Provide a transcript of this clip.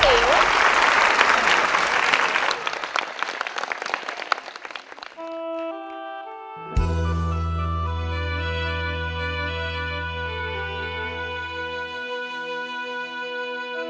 เพลงที่สองเพลงมาครับ